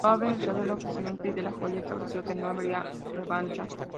Golovkin rechazó el ofrecimiento y De la Hoya estableció que no habría revancha.